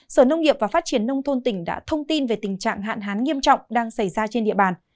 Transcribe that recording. sở nông nghiệp và phát triển nông thôn tỉnh đã thông tin về tình trạng hạn hán nghiêm trọng đang xảy ra trên địa bàn